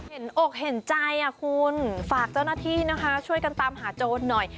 อกเห็นใจอ่ะคุณฝากเจ้าหน้าที่นะคะช่วยกันตามหาโจรหน่อย